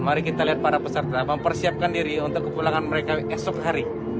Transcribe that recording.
mari kita lihat para peserta mempersiapkan diri untuk kepulangan mereka esok hari